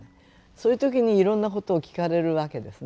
そういう時にいろんなことを聞かれるわけですね。